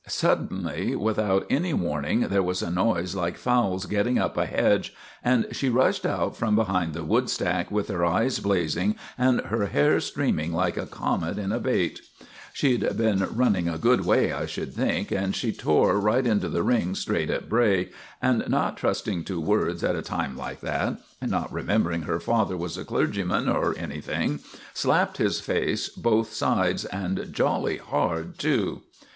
Suddenly, without any warning, there was a noise like fowls getting up a hedge, and she rushed out from behind the woodstack with her eyes blazing and her hair streaming like a comet in a bate. She'd been running a good way, I should think, and she tore right into the ring straight at Bray, and not trusting to words at a time like that, and not remembering her father was a clergyman, or anything, slapped his face both sides, and jolly hard too.